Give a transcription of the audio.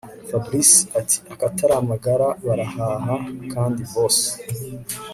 Fabric atiakataramagara barahaha kandi boss